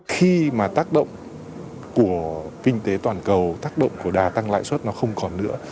khi mà tác động của kinh tế toàn cầu tác động của đa tăng lãi suất nó không còn nữa